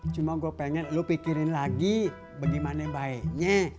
cuma gue pengen lu pikirin lagi bagaimana baiknya